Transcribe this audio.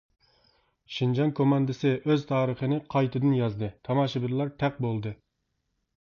شىنجاڭ كوماندىسى ئۆز تارىخىنى قايتىدىن يازدى تاماشىبىنلار تەق بولدى.